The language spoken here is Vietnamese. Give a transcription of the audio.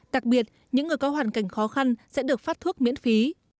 đặc biệt những người có hoàn cảnh khó khăn sẽ được phát thuốc miễn phí